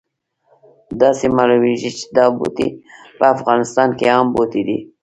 داسې معلومیږي چې دا بوټی په افغانستان کې عام بوټی دی